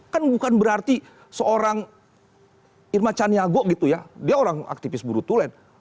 kan bukan berarti seorang irma caniago gitu ya dia orang aktivis buru tulen